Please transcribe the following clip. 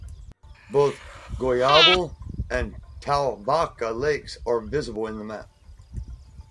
Both Guayabal and Toa Vaca lakes are visible in the map.